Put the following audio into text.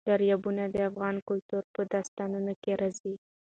دریابونه د افغان کلتور په داستانونو کې راځي.